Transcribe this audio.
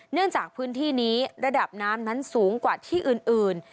เนื่องจากพื้นที่นี้ระดับน้ำนั้นสูงกว่าที่อื่น